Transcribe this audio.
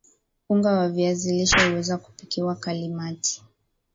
unga wa viazi lishe huweza kupikiwa kalimati